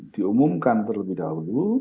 diumumkan terlebih dahulu